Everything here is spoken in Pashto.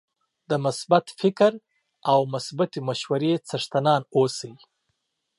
د مثبت فکر او مثبتې مشورې څښتنان اوسئ